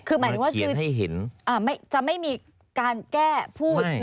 คือหมายถึงว่าคือจะไม่มีการแก้พูด